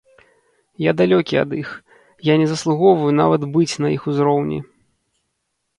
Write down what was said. Я далёкі ад іх, я не заслугоўваю нават быць на іх узроўні.